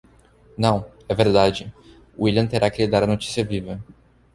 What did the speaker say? Não, é verdade, William terá que lhe dar a notícia viva.